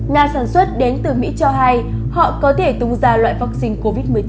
nga sản xuất đến từ mỹ cho hay họ có thể tung ra loại vaccine covid một mươi chín